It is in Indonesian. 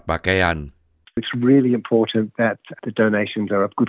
tolong jangan memberikannya kepada syarikat